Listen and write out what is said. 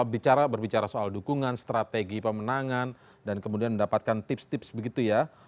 bicara soal dukungan strategi pemenangan dan kemudian mendapatkan tips tips begitu ya